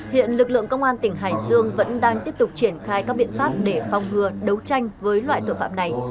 hiện lực lượng công an tỉnh hải dương vẫn đang tiếp tục triển khai các biện pháp để phong hừa đấu tranh với loại tội phạm này